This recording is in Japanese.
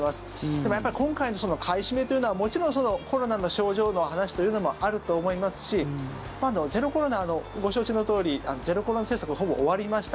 でも、やっぱり今回の買い占めというのはもちろんコロナの症状の話というのもあると思いますしご承知のとおりゼロコロナ政策ほぼ終わりました。